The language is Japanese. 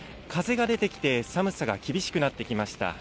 風が出てきて、寒さが厳しくなってきました。